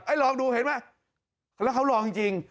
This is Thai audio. เฮ้ยลองดูเห็นมั้ยแล้วเขาลองจริง